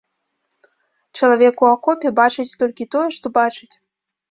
Чалавек у акопе бачыць толькі тое, што бачыць.